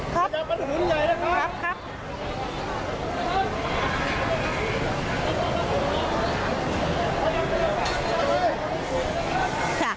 ครับครับ